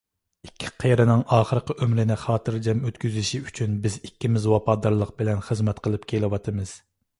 ئىككى قېرىنىڭ ئاخىرقى ئۆمرىنى خاتىرجەم ئۆتكۈزۈشى ئۈچۈن بىز ئىككىمىز ۋاپادارلىق بىلەن خىزمەت قىلىپ كېلىۋاتىمىز.